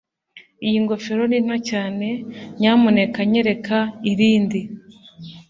iyi ngofero ni nto cyane. nyamuneka nyereka irindi